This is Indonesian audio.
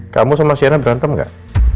kamu sama siana berantem gak